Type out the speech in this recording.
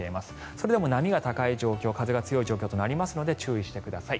それでも波が高い状況風が強い状況となりますので注意してください。